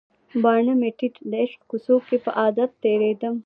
باڼه مې ټیټ د عشق کوڅو کې په عادت تیریدم